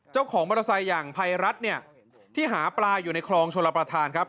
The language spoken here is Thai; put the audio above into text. เจ้าของมอเตอร์ไซค์อย่างภัยรัฐเนี่ยที่หาปลาอยู่ในคลองชลประธานครับ